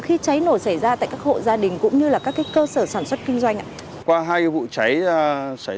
khi cháy nổ xảy ra tại các hộ gia đình cũng như là các cơ sở sản xuất kinh doanh qua hai vụ cháy xảy ra